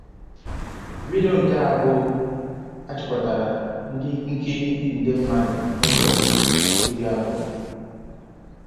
Vidio nke abụ a chịkọtara ndị nkiri nde mmadụ na ụbọchị iri mbụ.